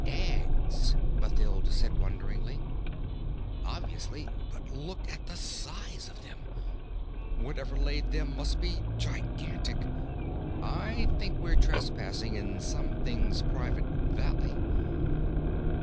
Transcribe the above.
"Eggs," Mathild said wonderingly. "Obviously. But look at the size of them! Whatever laid them must be gigantic. I think we're trespassing in something's private valley."